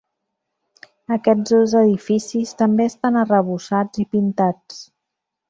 Aquests dos edificis també estan arrebossats i pintats.